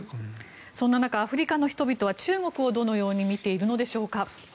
そんな中アフリカの人々は中国をどのように見ているのでしょうか？